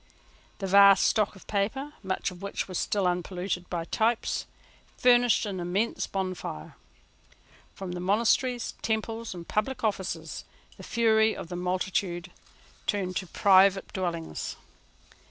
The vast stock of paper, much of which was still unpolluted by types, furnished an immense bonfire. From monasteries, temples, and public offices, the fury of the multitude turned to private dwellings.